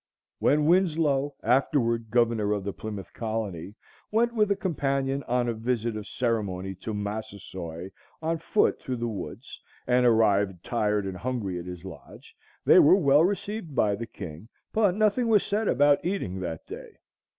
When Winslow, afterward governor of the Plymouth Colony, went with a companion on a visit of ceremony to Massasoit on foot through the woods, and arrived tired and hungry at his lodge, they were well received by the king, but nothing was said about eating that day.